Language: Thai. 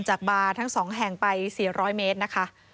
บาร์ทั้ง๒แห่งไป๔๐๐เมตรนะคะ